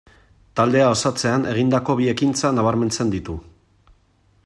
Taldea osatzean egindako bi ekintza nabarmentzen ditu.